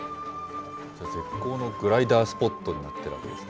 絶好のグライダースポットになってるわけですね。